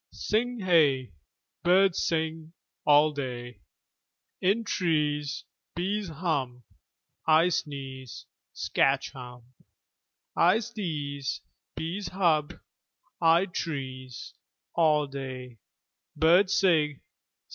Sing hey! Birds sing All day. In trees Bees hum I sneeze Skatch Humb!! I sdeeze. Bees hub. Id trees All day Birds sig.